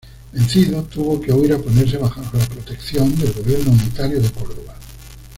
Vencido, tuvo que huir a ponerse bajo la protección del gobierno unitario de Córdoba.